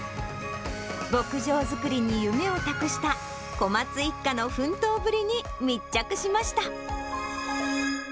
牧場作りに夢を託した小松一家の奮闘ぶりに密着しました。